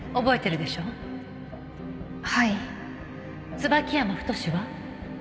椿山太は？